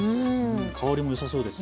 香りもよさそうです。